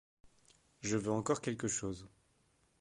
Je veux encore quelque chose.